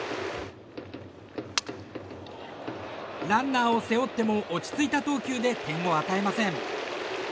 ランナーを背負っても落ち着いた投球で点を与えません。